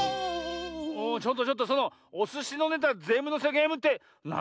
ちょっとちょっとそのおすしのネタぜんぶのせゲームってなんだいそれ？